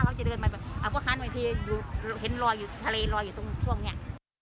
ก่อนมาเขาเลยจะเดินมาห้ังถนนทีทะเลรออยู่ตรงจุดนี้